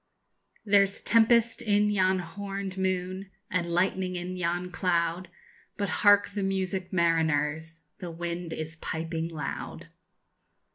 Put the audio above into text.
There's tempest in yon horned moon, And lightning in yon cloud; But hark the music, mariners! _The wind is piping loud.